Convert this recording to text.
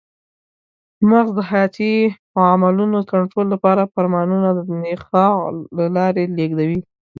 مغز د حیاتي عملونو کنټرول لپاره فرمانونه د نخاع له لارې لېږدوي.